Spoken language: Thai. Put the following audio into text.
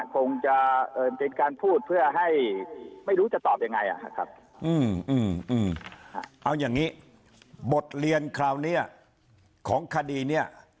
คงจะเป็นการพูดเพื่อให้ไม่รู้จะตอบยังไงนะครับเอาอย่างนี้บทเรียนคราวนี้ของคดีเนี่ย